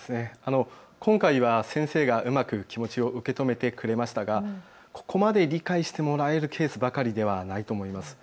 今回は先生がうまく気持ちを受け止めてくれましたがここまで理解してもらえるケースばかりではないと思います。